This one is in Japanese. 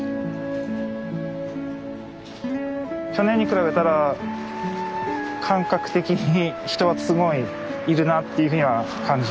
去年に比べたら感覚的に人はすごいいるなっていうふうには感じます。